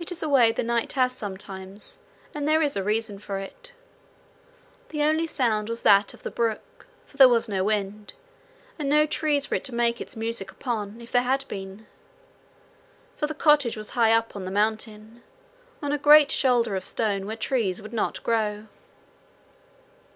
It is a way the night has sometimes, and there is a reason for it. The only sound was that of the brook, for there was no wind, and no trees for it to make its music upon if there had been, for the cottage was high up on the mountain, on a great shoulder of stone where trees would not grow.